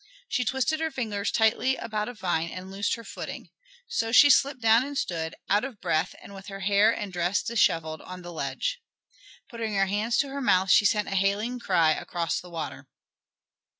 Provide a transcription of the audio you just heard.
She twisted her fingers tightly about a vine and loosed her footing. So she slipped down and stood, out of breath and with her hair and dress disheveled, on the ledge. Putting her hands to her mouth she sent a hailing cry across the water.